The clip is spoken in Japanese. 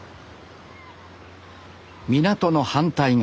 港の反対側。